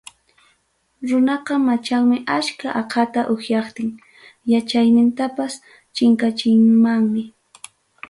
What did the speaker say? Runaqa machanmi achka aqata upyaptin, yachaynintapas chinkachinmanmi.